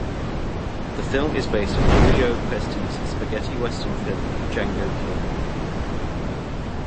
The film is based on Giulio Questi's Spaghetti Western film, Django Kill...